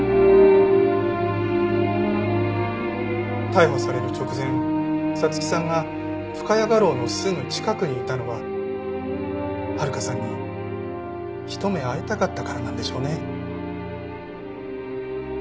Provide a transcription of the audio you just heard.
逮捕される直前彩月さんが深谷画廊のすぐ近くにいたのは温香さんにひと目会いたかったからなんでしょうね。